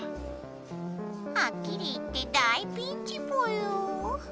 はっきり言って大ピンチぽよ。